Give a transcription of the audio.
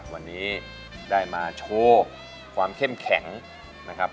วันนี้ได้มาโชว์ความเข้มแข็งนะครับ